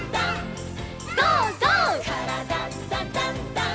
「からだダンダンダン」